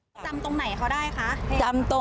จำตรงไหนเขาได้คะ